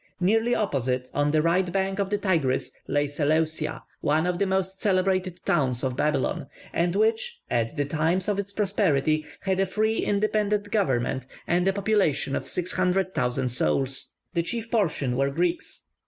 Nearly opposite, on the right bank of the Tigris, lay Seleucia, one of the most celebrated towns of Babylon, and which, at the time of its prosperity, had a free independent government and a population of 600,000 souls. The chief portion were Greeks.